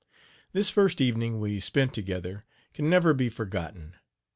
This first evening we spent together can never be forgotten.